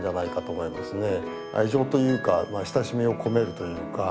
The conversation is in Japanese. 愛情というか親しみを込めるというか。